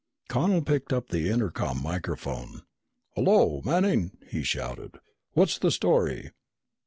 Connel picked up the intercom microphone. "Hello, Manning!" he shouted. "What's the story?"